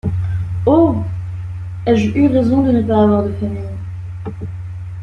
Oh! ai-je eu raison de ne pas avoir de famille...